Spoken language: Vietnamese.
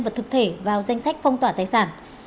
và thực thể vào danh sách phong tỏa tài sản